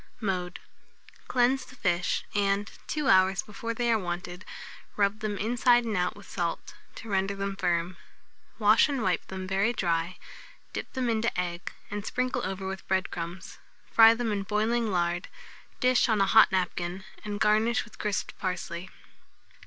Mode. Cleanse the fish, and, two hours before they are wanted, rub them inside and out with salt, to render them firm; wash and wipe them very dry, dip them into egg, and sprinkle over with bread crumbs; fry them in boiling lard, dish on a hot napkin, and garnish with crisped parsley.